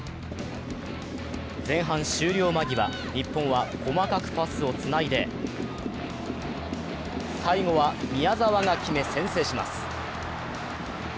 前半終了間際、日本は細かくパスをつないで、最後は宮澤が決め先制します。